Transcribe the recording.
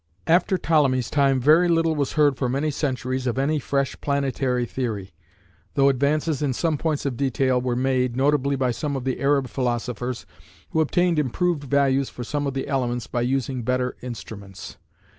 ] After Ptolemy's time very little was heard for many centuries of any fresh planetary theory, though advances in some points of detail were made, notably by some of the Arab philosophers, who obtained improved values for some of the elements by using better instruments.